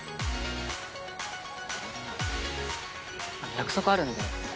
約束あるんで。